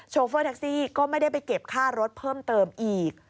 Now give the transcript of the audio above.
โฟเฟอร์แท็กซี่ก็ไม่ได้ไปเก็บค่ารถเพิ่มเติมอีก